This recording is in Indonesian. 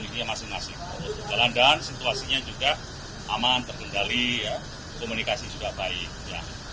dan situasinya juga aman terdendali komunikasi juga baik